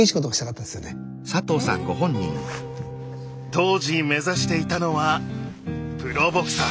当時目指していたのはプロボクサー。